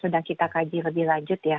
sudah kita kaji lebih lanjut ya